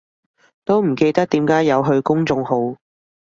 都唔記得點解有佢公眾號